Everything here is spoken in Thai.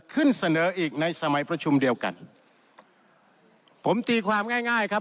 เสนออีกในสมัยประชุมเดียวกันผมตีความง่ายง่ายครับ